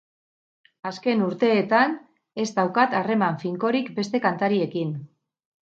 Azken urteetan ez daukat harreman finkorik beste kantariekin.